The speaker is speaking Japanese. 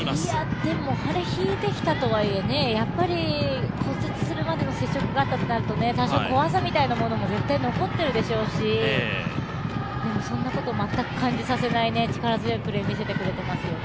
でも、腫れが引いてきたとはいえ、やはり骨折するまでの接触があったとすると多少怖さみたいなものも絶対残ってるでしょうし、でもそんなこと全く感じさせない力強いプレー、見せてくれてますね